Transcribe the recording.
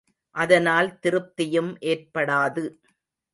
அதனால் திருப்தியும் ஏற்படாது.